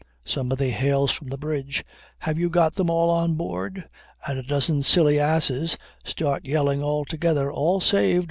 Somebody hails from the bridge, "Have you got them all on board?" and a dozen silly asses start yelling all together, "All saved!